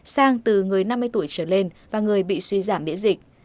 sang từ người năm mươi tuổi trở lên và người bị suy giảm miễn dịch